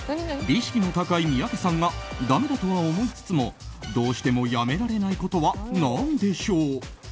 美意識の高い三宅さんがだめだとは思いつつもどうしてもやめられないことは何でしょう？